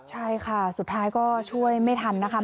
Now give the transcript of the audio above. ใช่ค่ะสุดท้ายก็ช่วยไม่ทันนะคะ